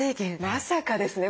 まさかですねこれ。